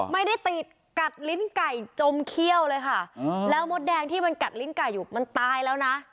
ไม่ได้ติดกัดลิ้นไก่จมเขี้ยวเลยค่ะแล้วมดแดงที่มันกัดลิ้นไก่อยู่มันตายแล้วนะ